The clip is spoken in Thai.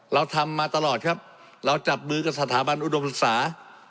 เราทำมาตลอดครับเราจับมือกับสถาบันอุดมศึกษา